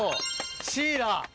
シイラ。